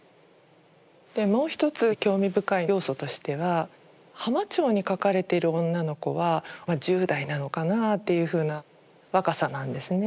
もう一つ興味深い要素としては「浜町」に描かれている女の子は１０代なのかなというふうな若さなんですね。